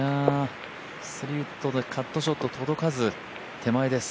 ３ウッドでカットショット届かず、手前です。